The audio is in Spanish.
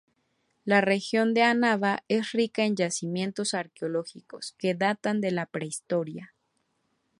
La región de Annaba es rica en yacimientos arqueológicos que datan de la prehistoria.